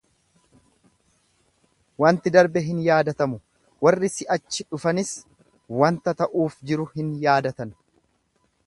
wanti darbe hin yaadatamu, warri si'achi dhufanis wanta ta'uuf jiru hin yaadatan.